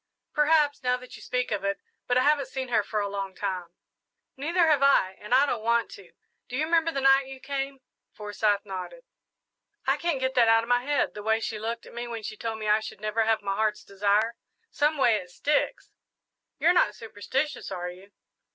"Perhaps, now that you speak of it; but I haven't seen her for a long time." "Neither have I, and I don't want to. Do you remember the night you came?" Forsyth nodded. "I can't get that out of my head the way she looked at me when she told me I should never have my heart's desire. Someway, it sticks." "You're not superstitious, are you?"